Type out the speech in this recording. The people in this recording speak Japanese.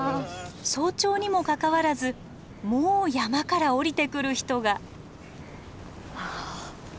早朝にもかかわらずもう山から下りてくる人が。